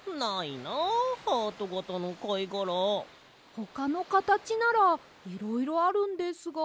ほかのかたちならいろいろあるんですが。